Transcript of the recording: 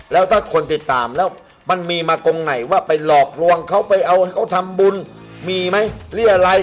แล้วถ้าคนติดตามแล้วมันมีมาตรงไหนว่าไปหลอกลวงเขาไปเอาเขาทำบุญมีไหมเรียรัย